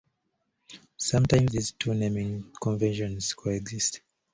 Sometimes, these two naming conventions coexist.